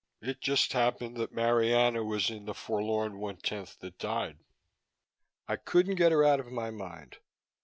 It just happened that Marianna was in the forlorn one tenth that died. I couldn't get her out of my mind.